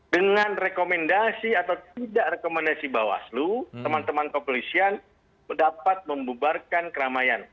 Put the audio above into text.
dengan rekomendasi atau tidak rekomendasi bawaslu teman teman kepolisian dapat membubarkan keramaian